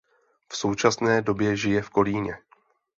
V současné době žije v Kolíně.